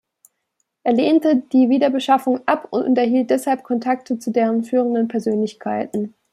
Er lehnte die Wiederbewaffnung ab und unterhielt deshalb Kontakte zu deren führenden Persönlichkeiten.